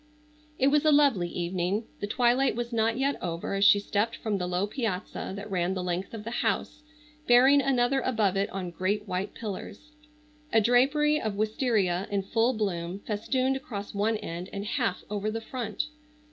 It was a lovely evening. The twilight was not yet over as she stepped from the low piazza that ran the length of the house bearing another above it on great white pillars. A drapery of wistaria in full bloom festooned across one end and half over the front.